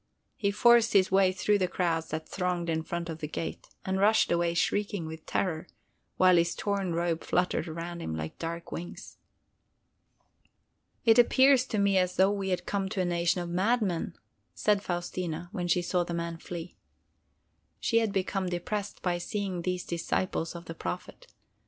He forced his way through the crowds that thronged in front of the gate, and rushed away shrieking with terror, while his torn robe fluttered around him like dark wings. "It appears to me as though we had come to a nation of madmen," said Faustina, when she saw the man flee. She had become depressed by seeing these disciples of the Prophet.